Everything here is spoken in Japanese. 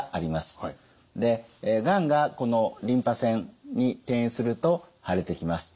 でがんがこのリンパ腺に転移すると腫れてきます。